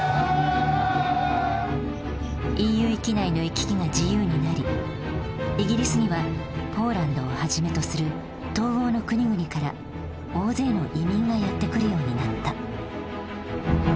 ＥＵ域内の行き来が自由になりイギリスにはポーランドをはじめとする東欧の国々から大勢の移民がやって来るようになった。